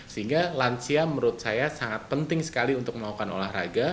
sehingga lansia menurut saya sangat penting sekali untuk melakukan olahraga